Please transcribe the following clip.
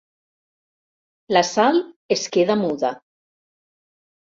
La Sal es queda muda.